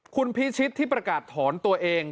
คุณพิชิตที่ประกาศถอนตัวเอง